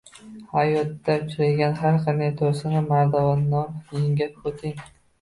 hayotda uchragan har qanday to‘siqni mardonavor yengib o‘ting!